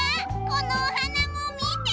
このおはなもみて！